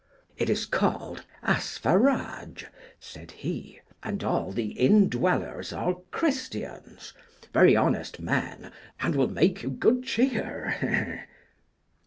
It is called Aspharage, said he, and all the indwellers are Christians, very honest men, and will make you good cheer.